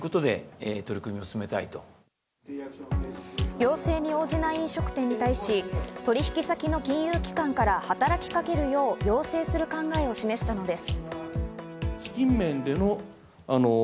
要請に応じない飲食店に対し、取引先の金融機関から働きかけるよう要請する考えを示したのです。